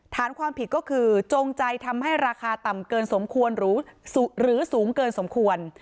ฐานความผิดก็คือจงใจทำให้ราคาต่ำเกินสมควรหรือสูงเกินสมควร